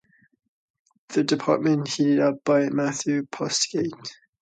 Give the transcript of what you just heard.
The department headed up by Matthew Postgate.